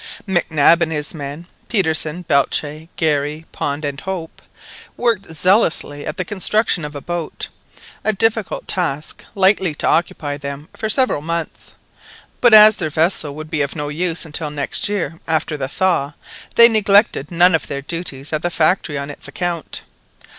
Mac Nab and his men—Petersen, Belcher, Garry, Pond, and Hope—worked zealously at the construction of a boat, a difficult task, likely to occupy them for several months. But as their vessel would be of no use until next year after the thaw, they neglected none of their duties at the factory on its account.